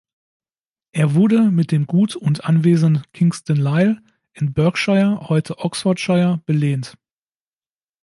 Er wurde mit dem Gut und Anwesen "Kingston Lisle" in Berkshire (heute Oxfordshire) belehnt.